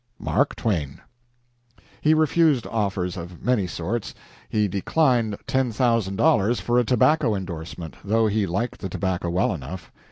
MARK TWAIN." He refused offers of many sorts. He declined ten thousand dollars for a tobacco endorsement, though he liked the tobacco well enough.